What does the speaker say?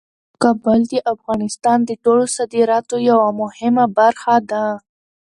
کابل د افغانستان د ټولو صادراتو یوه مهمه برخه ده.